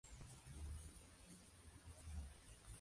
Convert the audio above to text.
Está abierto al público diariamente.